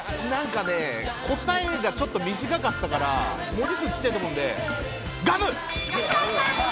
答えがちょっと短かったから、ものすごいちっちゃいと思うんで、ガム！